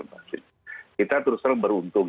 vaksin kita terus terlalu beruntung ya